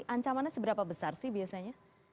ancamannya seberapa besar sih biasanya